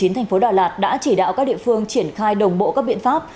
tp đà lạt đã chỉ đạo các địa phương triển khai đồng bộ các biện pháp